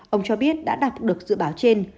ông cho biết đã đặt được dự báo trên